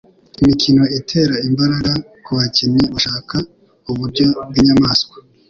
Imikino itera imbaraga kubakinnyi bashaka uburyo bwinyamaswa